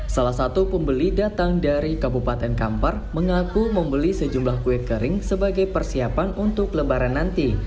salah satu pembeli datang dari kabupaten kampar mengaku membeli sejumlah kue kering sebagai persiapan untuk lebaran nanti